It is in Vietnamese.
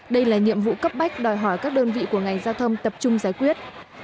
đây là nhiệm vụ cấp bách đòi hỏi các đơn vị của ngành giao thông tập trung giải quyết